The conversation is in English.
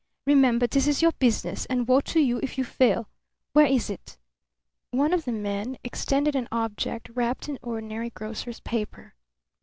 Remember, this is your business, and woe to you if you fail. Where is it?" One of the men extended an object wrapped in ordinary grocer's paper.